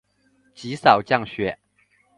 极少降雪。